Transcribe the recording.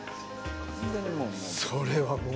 それはもう。